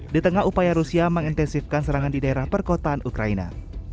di tengah upaya rusia mengintensifkan serangan di daerah perkotaan ukraina